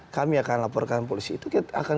kami akan laporkan polisi itu kita akan